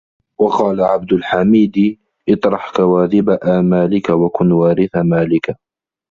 وَقَالَ عَبْدُ الْحَمِيدِ اطْرَحْ كَوَاذِبَ آمَالِك وَكُنْ وَارِثَ مَالِك